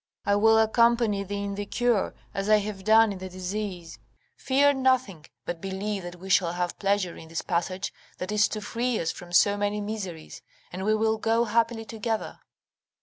I will accompany thee in the cure as I have done in the disease; fear nothing, but believe that we shall have pleasure in this passage that is to free us from so many miseries, and we will go happily together."